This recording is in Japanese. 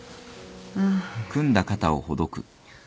うん。